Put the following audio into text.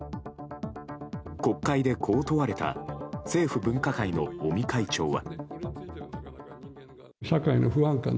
国会でこう問われた政府分科会の尾身会長は。